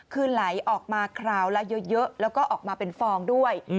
คือไหลออกมาคราวละเยอะแล้วก็ออกมาเป็นฟองด้วย